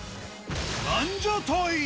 ランジャタイ。